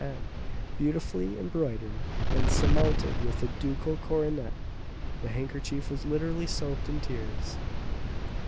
N." beautifully embroidered, and surmounted with a ducal coronet. The handkerchief was literally soaked in tears.